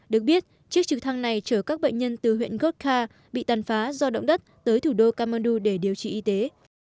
được biết chiếc trực thăng này chở các bệnh nhân từ huyện godca bị tàn phá do động đất tới thủ đô kamondu để điều trị y tế